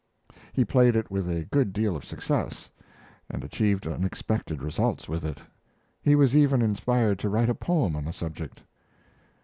He played it with a good deal of success, and achieved unexpected results with it. He was even inspired to write a poem on the subject.